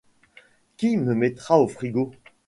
qui me mettra au frigo.